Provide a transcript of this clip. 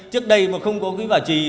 trước đây mà không có quỹ bảo trì